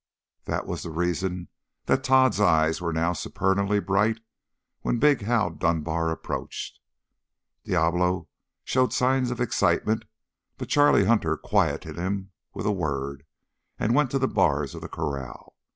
That was the reason that Tod's eyes now were supernally bright when big Hal Dunbar approached. Diablo showed signs of excitement, but Charlie Hunter quieted him with a word and went to the bars of the corral.